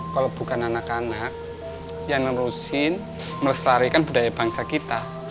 kalau bukan anak anak yang nerusin melestarikan budaya bangsa kita